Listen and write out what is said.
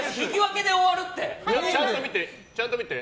ちゃんと見て？